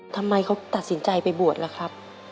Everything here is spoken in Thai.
ทำไมเขาตัดสินใจไปบวชล่ะครับ